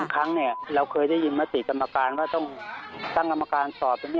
บางครั้งเราเคยได้ยินมาติดต่ำการว่าต้องตั้งต่ำการสอบ